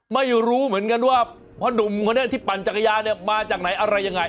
ไม่รู้เหมือนกันว่าพ่อนุ่มคนนี้ที่ปั่นจักรยานเนี่ยมาจากไหนอะไรยังไง